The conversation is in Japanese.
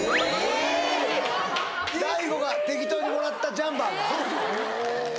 えーっ大悟が適当にもらったジャンパーが？